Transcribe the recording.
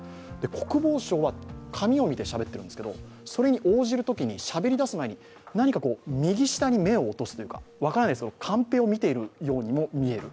国防省は紙を見てしゃべっているんですけど、それに応じるときにしゃべりだす前に右下に目を落とすというか、分からないですが、カンペを見ているようにも見える。